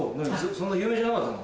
そんな有名じゃなかったの？